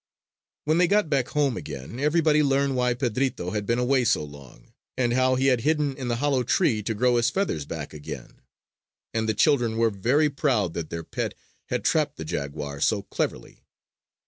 When they got back home again, everybody learned why Pedrito had been away so long, and how he had hidden in the hollow tree to grow his feathers back again. And the children were very proud that their pet had trapped the jaguar so cleverly.